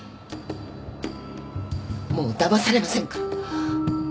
もうだまされませんから。